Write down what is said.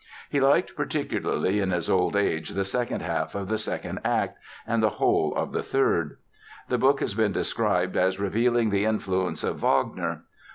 He liked particularly in his old age the second half of the second act and the whole of the third. The book has been described as revealing the influence of Wagner.